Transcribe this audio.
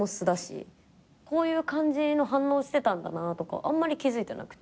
こういう感じの反応してたんだなとかあんまり気付いてなくて。